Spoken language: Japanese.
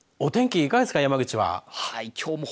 お天気いかがですか、山口は。